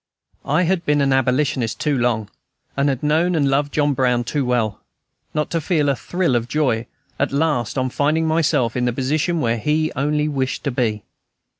I had been an abolitionist too long, and had known and loved John Brown too well, not to feel a thrill of joy at last on finding myself in the position where he only wished to be.